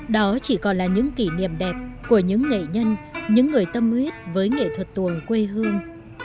đó chỉ còn là những kỷ niệm đẹp của những nghệ nhân những người tâm huyết với nghệ thuật tuồng quê hương